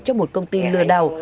trong một công ty lừa đảo